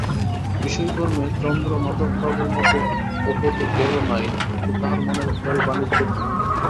বিষয়কর্মে চন্দ্রমাধববাবুর মতো অপটু কেহ নাই কিন্তু তাঁহার মনের খেয়াল বাণিজ্যের দিকে।